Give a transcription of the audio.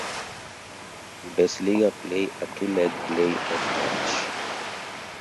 Bundesliga play a two-leg play-off match.